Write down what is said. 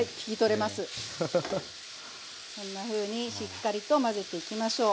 こんなふうにしっかりと混ぜていきましょう。